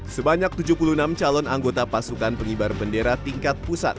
sebanyak tujuh puluh enam calon anggota pasukan pengibar bendera tingkat pusat